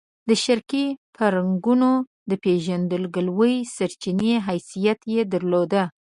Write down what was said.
د شرقي پرګنو د پېژندګلوۍ سرچینې حیثیت یې درلود.